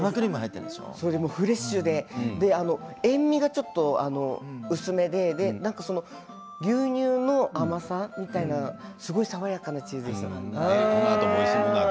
フレッシュで塩みがちょっと薄めで牛乳の甘さみたいなすごい爽やかなチーズでした。